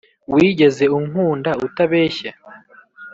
wigeze unkunda utabeshye?